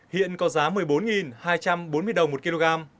hiện có giá một mươi bốn hai trăm bốn mươi đồng một kg